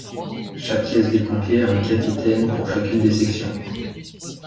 Chaque caisse des pompiers a un capitaine pour chacune des sections.